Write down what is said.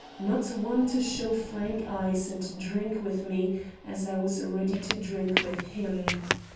Not one to show frank eyes and drink with me as I was ready to drink with him!